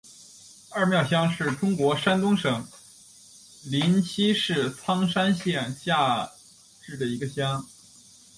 二庙乡是中国山东省临沂市苍山县下辖的一个乡。